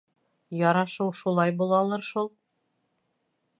Ярашыу шулай булалыр шул?